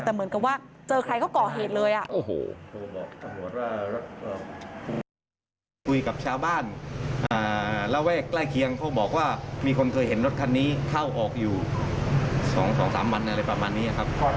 แต่เหมือนกันว่าเจอใครก็เกาะเหตุเลย